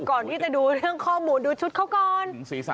ก่อนที่จะดูเรื่องข้อมูลดูชุดเขาก่อน